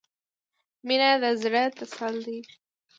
• مینه د زړۀ تسل دی.